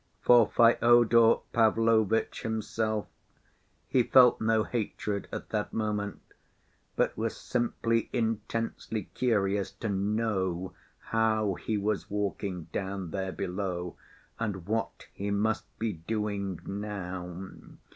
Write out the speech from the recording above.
For Fyodor Pavlovitch himself he felt no hatred at that moment, but was simply intensely curious to know how he was walking down there below and what he must be doing now.